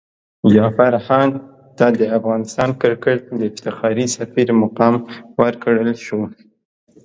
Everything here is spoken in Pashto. جعفر هاند ته د افغان کرکټ د افتخاري سفیر مقام ورکړل شو.